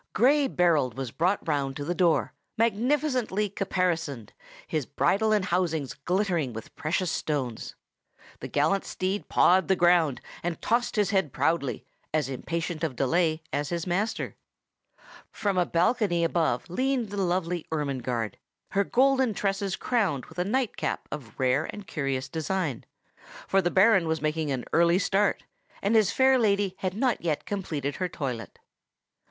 Gray Berold was brought round to the door, magnificently caparisoned, his bridle and housings glittering with precious stones. The gallant steed pawed the ground, and tossed his head proudly, as impatient of delay as his master. From a balcony above leaned the lovely Ermengarde, her golden tresses crowned with a nightcap of rare and curious design; for the Baron was making an early start, and his fair lady had not yet completed her toilet.